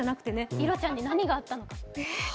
いろちゃんに何があったのか。